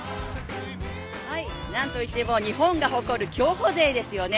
なんと言っても日本が誇る競歩勢ですよね。